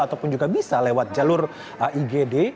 ataupun juga bisa lewat jalur igd